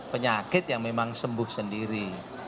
penyakit yang memang sembuh sendiri